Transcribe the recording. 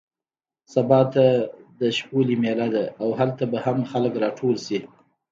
سبا ته د شپولې مېله ده او هلته به هم خلک راټول شي.